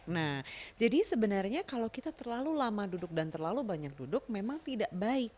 nah jadi sebenarnya kalau kita terlalu lama duduk dan terlalu banyak duduk memang tidak baik